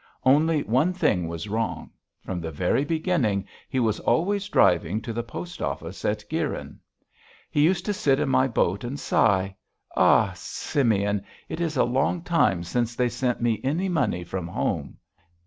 Only one thing was wrong; from the very beginning he was always driving to the post office at Guyrin. He used to sit in my boat and sigh: 'Ah! Simeon, it is a long time since they sent me any money from home.'